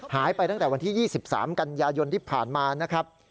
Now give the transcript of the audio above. หายไปตั้งแต่วันที่๒๓กันยายนที่ผ่านมานะครับ